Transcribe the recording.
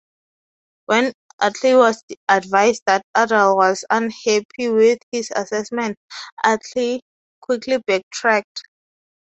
When Utley was advised that Udall was unhappy with his assessment, Utley quickly backtracked.